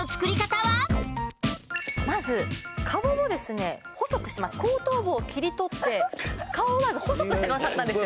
まず顔を細くします後頭部を切り取って顔をまず細くしてくださったんですよ